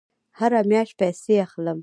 هره میاشت پیسې اخلم